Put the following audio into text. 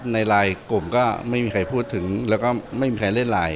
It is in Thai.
ในไลน์กลุ่มก็ไม่มีใครพูดถึงแล้วก็ไม่มีใครเล่นไลน์